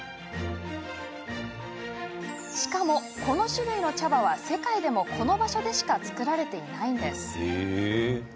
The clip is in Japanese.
しかも、この種類の茶葉は世界でも、この場所でしか作られていないんです。